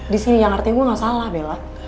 di sini yang artinya gue gak salah bella